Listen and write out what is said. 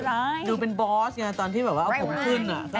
ร้ายดูเป็นบอสกันตอนที่โฮ่มาขึ้นน่ะ